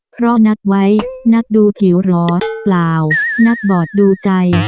เพราะนัดไว้นักดูผิวเหรอเปล่านักบอดดูใจ